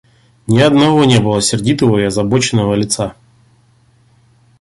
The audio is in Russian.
Ни одного не было сердитого и озабоченного лица.